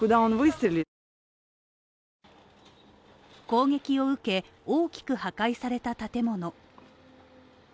攻撃を受け、大きく破壊された建物。